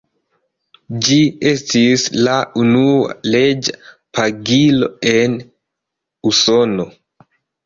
Ĝi estis la unua leĝa pagilo en Usono.